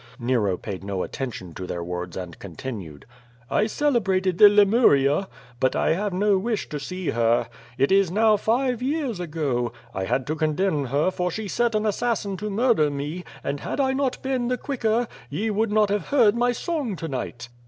Oy*." Nero paid no attention their words and continued: "I celebrated the Lemuria. But I have no wish to see her. It is now five years ago— I had to condemn her for she set an assassin to murder me, and had I not been the quicker, ye would not have heard my song to night."